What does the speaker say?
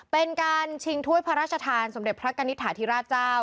เป็นการชิงถ้วยพระราชทานสมเด็จพระกณิตฐาธิราชเจ้า